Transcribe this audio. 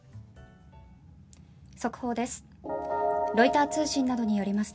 速報です。